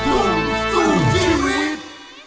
เพื่อให้สู้ทุกชีวิต